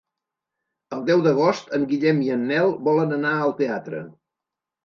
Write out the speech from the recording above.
El deu d'agost en Guillem i en Nel volen anar al teatre.